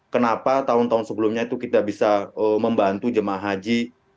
kenapa tahun tahun sebelumnya itu kita bisa membantu jemaah haji